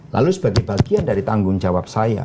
lalu sebagai bagian dari tanggung jawab saya